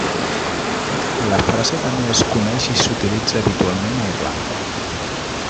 La frase també es coneix i s'utilitza habitualment a Irlanda.